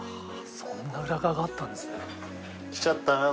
そんな裏側があったんですね。